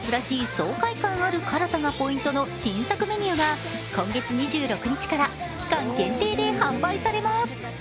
爽快感ある辛さがポイントの新作メニューが今月２６日から期間限定で販売されます。